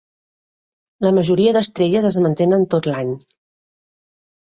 La majoria d'estrelles es mantenen tot l'any.